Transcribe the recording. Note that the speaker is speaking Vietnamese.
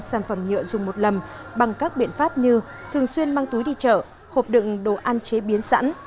sản phẩm nhựa dùng một lầm bằng các biện pháp như thường xuyên mang túi đi chợ hộp đựng đồ ăn chế biến sẵn